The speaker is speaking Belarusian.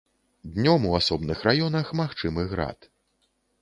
Днём у асобных раёнах магчымы град.